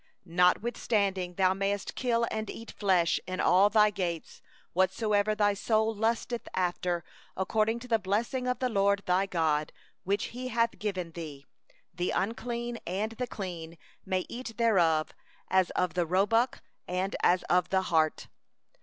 15Notwithstanding thou mayest kill and eat flesh within all thy gates, after 12 all the desire of thy soul, according to the blessing of the LORD thy God which He hath given thee; the unclean and the clean may eat thereof, as of the gazelle, and as of the hart.